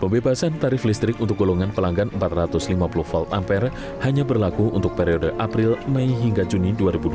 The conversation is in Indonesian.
pembebasan tarif listrik untuk golongan pelanggan empat ratus lima puluh volt ampere hanya berlaku untuk periode april mei hingga juni dua ribu dua puluh